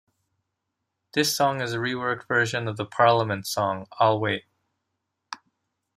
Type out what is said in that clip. This song is a reworked version of The Parliaments song, I'll Wait.